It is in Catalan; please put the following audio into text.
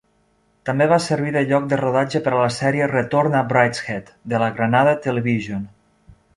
També va servir de lloc de rodatge per a la sèrie "Retorn a Brideshead" de la Granada Television.